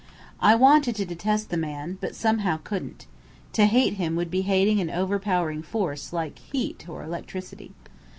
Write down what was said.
I wanted to detest the man, but somehow couldn't. To hate him would be hating an overpowering force, like heat, or electricity.